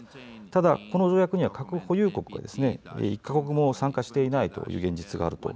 ただ、この条約には核保有国が１か国も参加していない現実があると。